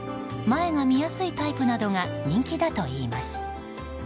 前が見やすいタイプなどが人気だといいます。